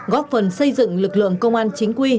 góp phần xây dựng lực lượng công an chính quy